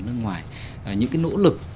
nước ngoài những cái nỗ lực